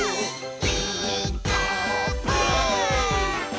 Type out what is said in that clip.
「ピーカーブ！」